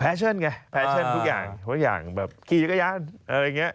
แฟชั่นไงแฟชั่นทุกอย่างทุกอย่างแบบขี่กระยะอะไรอย่างเงี้ย